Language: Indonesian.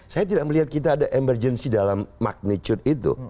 saya tidak melihat kita ada emergency dalam magnitude itu